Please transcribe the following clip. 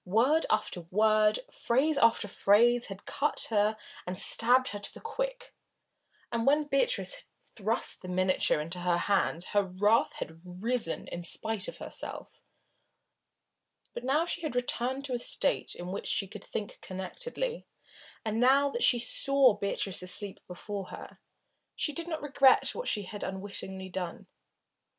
Word after word, phrase after phrase had cut her and stabbed her to the quick, and when Beatrice had thrust the miniature into her hands her wrath had risen in spite of herself. But now that she had returned to a state in which she could think connectedly, and now that she saw Beatrice asleep before her, she did not regret what she had unwittingly done.